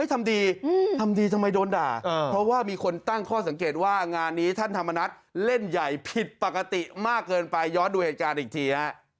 ทำดีทำดีทำไมโดนด่าเพราะว่ามีคนตั้งข้อสังเกตว่างานนี้ท่านธรรมนัฐเล่นใหญ่ผิดปกติมากเกินไปย้อนดูเหตุการณ์อีกทีฮะ